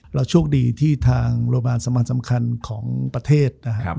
โชคดีที่ทางโรงพยาบาลสมันสำคัญของประเทศนะครับ